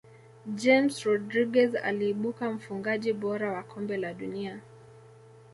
james rodriguez aliibuka mfungaji bora wa kombe la dunia